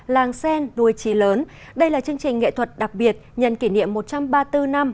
làng sen đuôi trí lớn đây là chương trình nghệ thuật đặc biệt nhận kỷ niệm một trăm ba mươi bốn năm